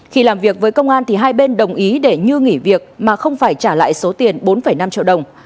khi làm việc với công an thì hai bên đồng ý để như nghỉ việc mà không phải trả lại số tiền bốn năm triệu đồng